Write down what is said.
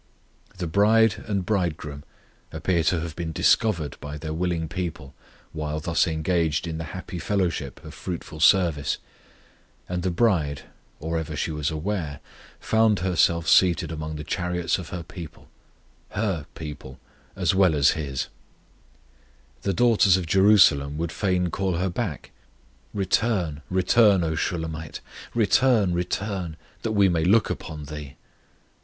The bride and Bridegroom appear to have been discovered by their willing people while thus engaged in the happy fellowship of fruitful service, and the bride, or ever she was aware, found herself seated among the chariots of her people her people as well as His. The daughters of Jerusalem would fain call her back: Return, return, O Shulammite; Return, return, that we may look upon thee.